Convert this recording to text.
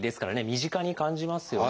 身近に感じますよね。